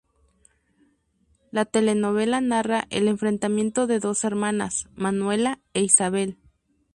La telenovela narra el enfrentamiento de dos hermanas: Manuela e Isabel.